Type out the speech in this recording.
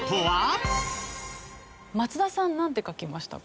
松田さんなんて書きましたか？